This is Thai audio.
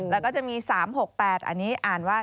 แล้วก็จะมี๓๖๘อันนี้อ่านว่า